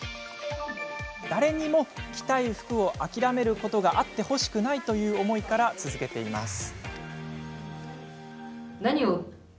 誰にも、着たい服を諦めることがあってほしくないという思いから続けています。